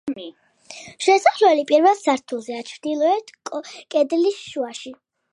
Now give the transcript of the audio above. შესასვლელი პირველ სართულზეა, ჩრდილოეთ კედლის შუაში.